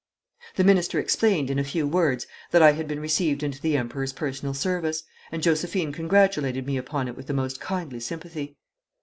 The minister explained in a few words that I had been received into the Emperor's personal service, and Josephine congratulated me upon it with the most kindly sympathy.